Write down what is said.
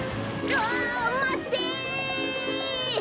あまって！